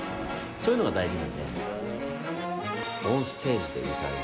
そういうのが大事なんで。